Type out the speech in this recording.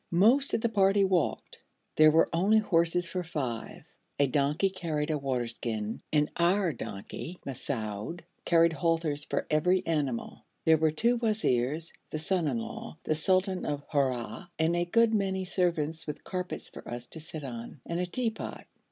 Most of the party walked. There were only horses for five; a donkey carried a water skin, and our donkey, Mahsoud, carried halters for every animal. There were the two wazirs, the son in law, the sultan of Haura, and a good many servants with carpets for us to sit on, and a teapot.